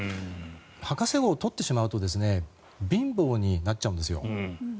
博士号を取ってしまうと貧乏になっちゃうんですよ。